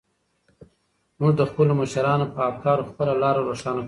موږ د خپلو مشرانو په افکارو خپله لاره روښانه کوو.